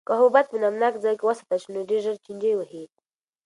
که حبوبات په نمناک ځای کې وساتل شي نو ډېر ژر چینجي وهي.